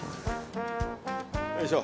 よいしょ。